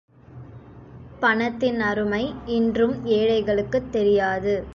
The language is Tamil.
பணத்தின் அருமை இன்றும் ஏழை களுக்குத் தெரியாது.